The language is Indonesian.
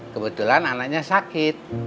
kebetulan anaknya sakit